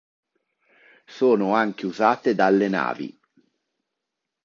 Sono anche usate dalle navi.